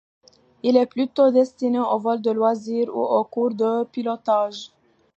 Il est plutôt destiné aux vols de loisirs ou aux cours de pilotage.